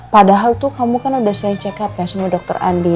padahal tuh kamu kan udah sering cekat kan sama dokter andi